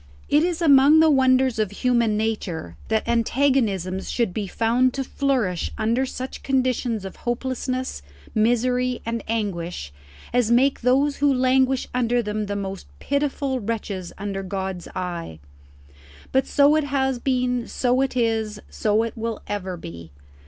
It is among the wonders of human nature that antagonisms should be found to flourish under such conditions of hopelessness, misery, and anguish as make those who languish under them the most pitiful wretches under God's eye. But so it has been, so it is, so it will ever be.